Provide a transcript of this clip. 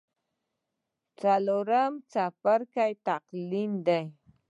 څلورم څپرکی تلقين دی.